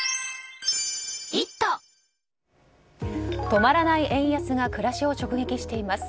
止まらない円安が暮らしを直撃しています。